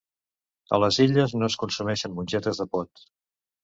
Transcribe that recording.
A les Illes no es consumeixen mongetes de pot